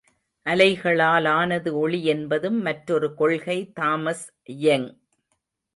அலைகளாலானது ஒளி என்பது மற்றொரு கொள்கை தாமஸ் யெங்.